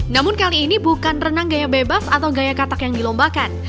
namun kali ini bukan renang gaya bebas atau gaya katak yang dilombakan